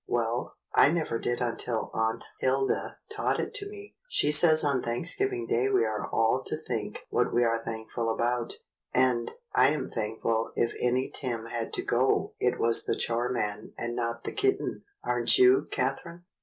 "Well, I never did until Aunt Hilda taught it to me. She says on Thanksgiving Day we are all to think what we are thankful about, and I am thankful if any Tim had to go it was the chore man and not the kitten, aren't you, Catherine?"